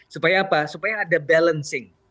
supaya apa supaya ada balancing